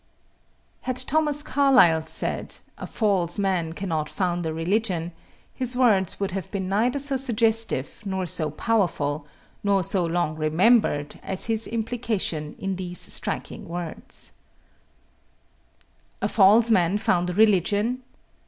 Had Thomas Carlyle said: "A false man cannot found a religion," his words would have been neither so suggestive nor so powerful, nor so long remembered as his implication in these striking words: A false man found a religion?